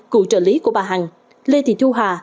cựu trợ lý của bà hằng lê thị thu hà